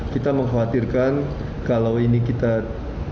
kita mengkhawatirkan kalau ini kita tidak